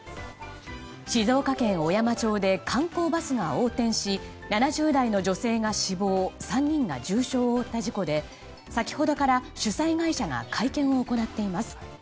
静岡県小山町で観光バスが横転し７０代の女性が死亡３人が重傷を負った事故で先ほどから主催会社が会見を行っています。